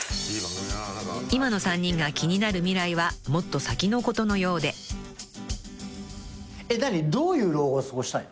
［今の３人が気になる未来はもっと先のことのようで］どういう老後を過ごしたいの？